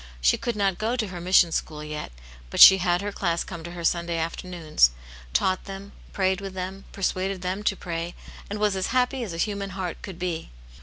She could not go to her mission school yet, but she had her class come to her Sunday after noons, taught them, prayed with them, persuaded them to pray, and was as happy as a human heart could be.